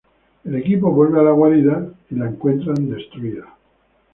El equipo vuelve a la guarida y la encuentran destruida.